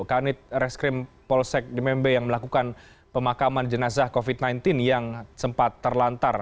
kanit reskrim polsek di membe yang melakukan pemakaman jenazah covid sembilan belas yang sempat terlantar